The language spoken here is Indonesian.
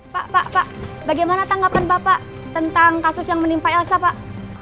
pak pak bagaimana tanggapan bapak tentang kasus yang menimpa elsa pak